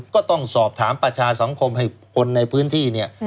ก็ต้องสอบถามประชาสังคมให้คนในพื้นที่เนี่ย